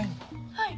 はい。